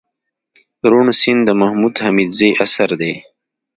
روڼ سيند دمحمود حميدزي اثر دئ